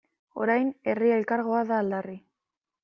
Orain Herri Elkargoa da aldarri.